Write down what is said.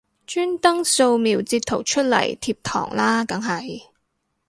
專登掃瞄截圖出嚟貼堂啦梗係